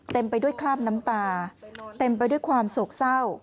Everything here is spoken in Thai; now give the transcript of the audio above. ไปด้วยคราบน้ำตาเต็มไปด้วยความโศกเศร้า